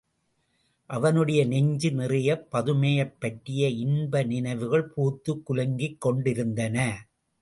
அவனுடைய நெஞ்சு நிறையப் பதுமையைப் பற்றிய இன்ப நினைவுகள் பூத்துக் குலுங்கிக் கொண்டிருந்தன.